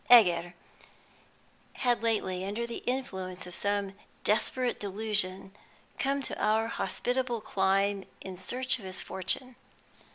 Egger had lately, under the influence of some desperate delusion, come to our hospitable clime in search of his fortune.